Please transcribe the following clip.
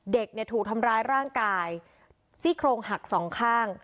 เด็กเนี่ยถูกทำร้ายร่างกายซี่โครงหักสองข้าง